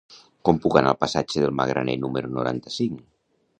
Com puc anar al passatge del Magraner número noranta-cinc?